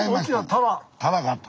タラ買った。